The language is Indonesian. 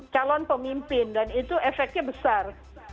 calon pemimpin dan itu efeknya besar